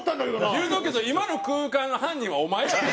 言うとくけど今の空間の犯人はお前やで。